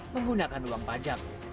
menggunakan uang pajak